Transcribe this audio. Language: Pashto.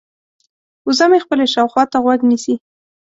وزه مې خپلې شاوخوا ته غوږ نیسي.